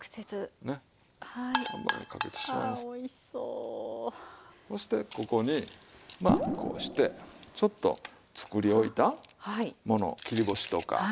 そしてここにまあこうしてちょっと作り置いたもの切り干しとか。